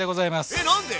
えっ何で？